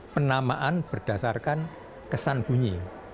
penamaan berdasarkan kesan bunyi